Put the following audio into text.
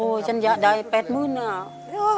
โอ้ยฉันอยากได้๘หมื่นบาท